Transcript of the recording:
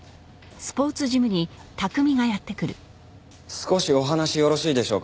少しお話よろしいでしょうか？